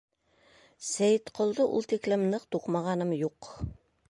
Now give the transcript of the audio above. Сәйетҡолдо ул тиклем ныҡ туҡмағаным юҡ.